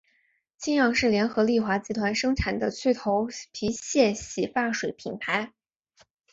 清扬是联合利华集团生产的去头皮屑洗发水品牌。